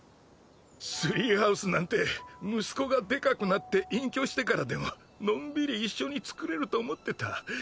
ツリーハウスなんて息子がでかくなって隠居してからでものんびり一緒に造れると思ってた。